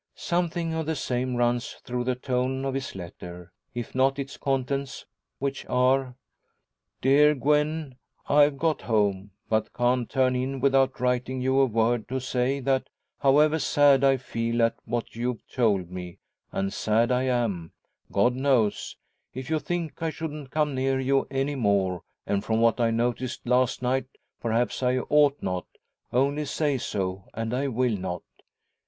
Something of the same runs through the tone of his letter, if not its contents, which are "Dear Gwen, I've got home, but can't turn in without writing you a word, to say that, however sad I feel at what you've told me and sad I am, God knows if you think I shouldn't come near you any more and from what I noticed last night, perhaps I ought not only say so, and I will not.